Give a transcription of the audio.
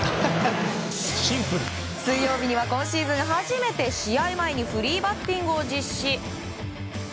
水曜日には今シーズン初めて試合前にフリーバッティングを実施。